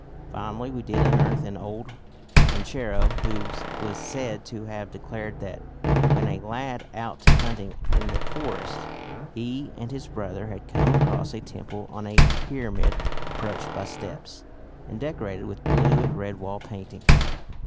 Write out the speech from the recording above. Finally we did unearth an old ranchero who was said to have declared that, when a lad out hunting in the forest, he and his brother had come across a temple on a pyramid approached by steps, and decorated with blue and red wall paintings.